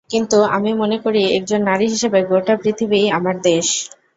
কিন্তু আমি মনে করি, একজন নারী হিসেবে গোটা পৃথিবীই আমার দেশ।